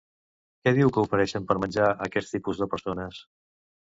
Què diu que ofereixen per menjar aquest tipus de persones?